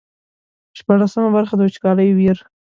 شپاړسمه برخه د وچکالۍ ویر.